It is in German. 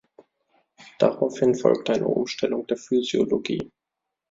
Daraufhin folgt eine Umstellung der Physiologie.